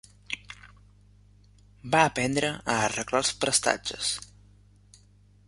Va aprendre a arreglar els prestatges